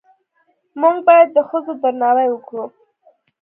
موږ باید د ښځو درناوی وکړو